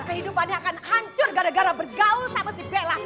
kehidupannya akan hancur gara gara bergaul sama si bella